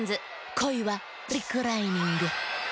「こいはリクライニング」。